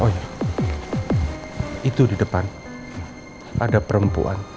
oh iya itu di depan ada perempuan